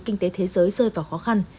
kinh tế thế giới rơi vào khó khăn